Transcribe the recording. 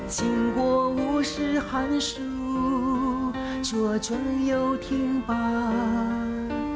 จิ้งกว่าวุศิฮันสุจัวจุ้งอยู่ถิ่นบ้าน